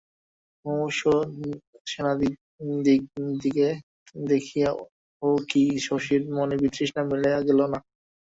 মুমুর্ষ সেনদিদিকে দেখিয়াও কি শশীর মনে বিতৃষ্ণা মিলাইয়া গেল না?